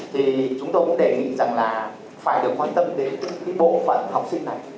thì chúng tôi cũng đề nghị rằng là phải được quan tâm đến cái bộ phận học sinh này